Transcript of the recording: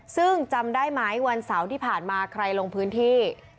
ซึ่งจำได้ไหมวันเสาร์ที่ผ่านมาใครลงพื้นที่